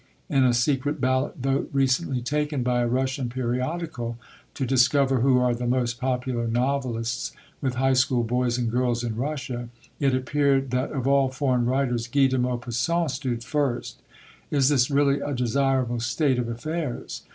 In a secret ballot vote recently taken by a Russian periodical, to discover who are the most popular novelists with high school boys and girls in Russia, it appeared that of all foreign writers Guy de Maupassant stood first. Is this really a desirable state of affairs?